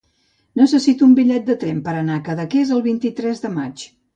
Necessito un bitllet de tren per anar a Cadaqués el vint-i-tres de maig.